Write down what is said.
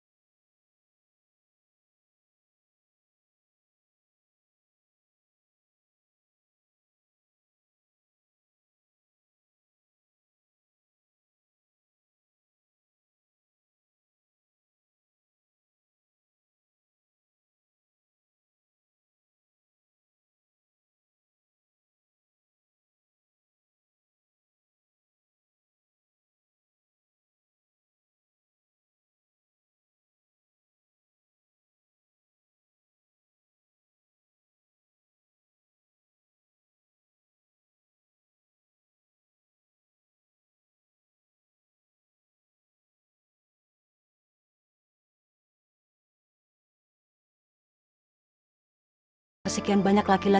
ya menurutku nama ini ke empat puluh sembilan